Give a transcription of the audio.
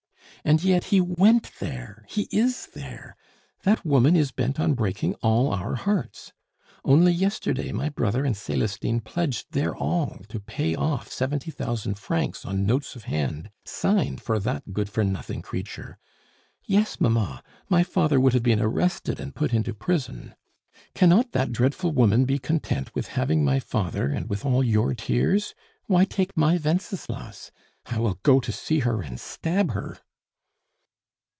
"And yet he went there; he is there! That woman is bent on breaking all our hearts! Only yesterday my brother and Celestine pledged their all to pay off seventy thousand francs on notes of hand signed for that good for nothing creature. Yes, mamma, my father would have been arrested and put into prison. Cannot that dreadful woman be content with having my father, and with all your tears? Why take my Wenceslas? I will go to see her and stab her!"